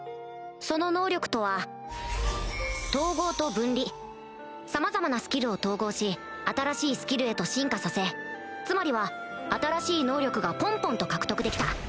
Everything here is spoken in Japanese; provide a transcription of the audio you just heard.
その能力とは「統合」と「分離」さまざまなスキルを統合し新しいスキルへと進化させつまりは新しい能力がポンポンと獲得できた